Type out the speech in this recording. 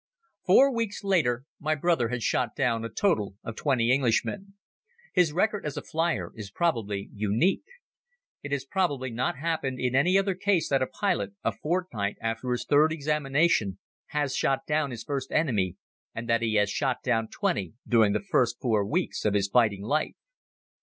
Four weeks later my brother had shot down a total of twenty Englishmen. His record as a flier is probably unique. It has probably not happened in any other case that a pilot, a fortnight after his third examination, has shot down his first enemy and that he has shot down twenty during the first four weeks of his fighting life.